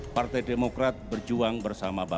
partai demokrat berjuang bersama bapak